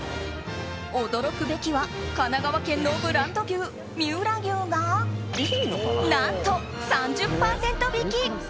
驚くべきは神奈川県のブランド牛三浦牛が、何と３０％引き！